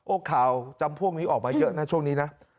ข่าวจำพวกนี้ออกมาเยอะนะช่วงนี้นะ